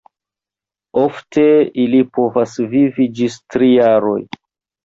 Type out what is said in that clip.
Ofte ili povas vivi ĝis tri jaroj.